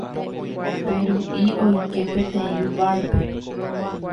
Peru'i oike peteĩ barpe.